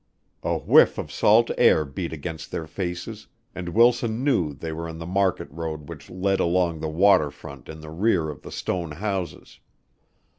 A whiff of salt air beat against their faces, and Wilson knew they were in the market road which led along the water front in the rear of the stone houses.